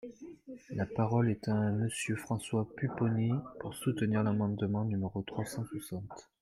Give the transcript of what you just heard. La parole est à Monsieur François Pupponi, pour soutenir l’amendement numéro trois cent soixante.